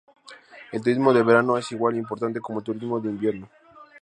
El turismo de verano es igual importante como el turismo de invierno.